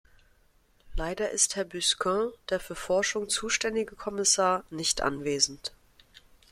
Leider ist Herr Busquin, der für Forschung zuständige Kommissar, nicht anwesend.